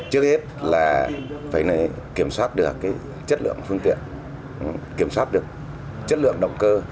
trước hết là phải kiểm soát được chất lượng phương tiện kiểm soát được chất lượng động cơ